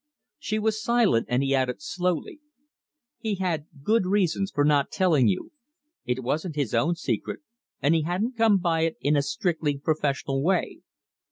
She was silent, and he added, slowly: "He had good reasons for not telling you. It wasn't his own secret, and he hadn't come by it in a strictly professional way.